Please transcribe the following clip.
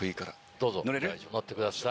どうぞ乗ってください。